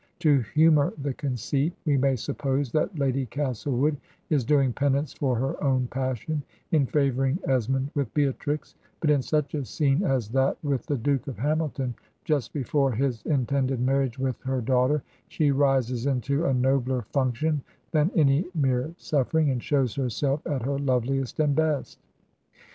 To humor the conceit, we may suppose that Lady Castlewood is doing penance for her own passion in favoring Esmond with Beatrix, but in such a scene as that with the Duke of Hamilton just before his intend ed marriage with her daughter, she rises into a nobler 206 Digitized by VjOOQIC THACKERAY'S GOOD HEROINES function than any mere suffering, and shows herself at her loveliest and best.